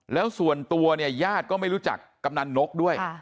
แล้วส่วนตัวเนี่ยญาติก็ไม่รู้จักกำนันนกด้วย